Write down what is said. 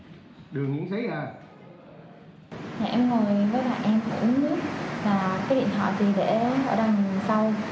thì em ngồi nói với em uống nước và cái điện thoại thì để ở đây nhìn sau